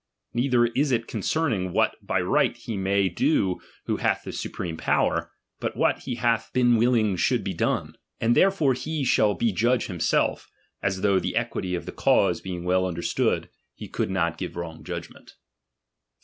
INeither is it concerning what* by right he may ''' do who hath the supreme power, but what he hath "been willing should be done; and therefore he ^^m shall be judge himself, as though (the equity of ^^H ■the cause being well understood) he could not ^^| give wrong judgment, 16.